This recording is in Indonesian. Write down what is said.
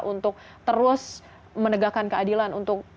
untuk terus menegakkan keadilan untuk